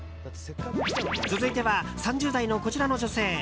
続いては３０代のこちらの女性。